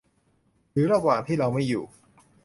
หรือระหว่างที่เราไม่อยู่